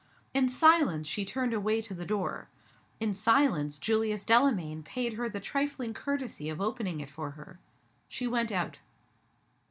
In silence, she turned away to the door. In silence, Julius Delamayn paid her the trifling courtesy of opening it for her. She went out.